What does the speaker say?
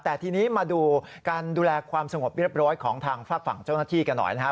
แต่ทีนี้มาดูการดูแลความสงบเรียบร้อยของทางฝากฝั่งเจ้าหน้าที่กันหน่อยนะครับ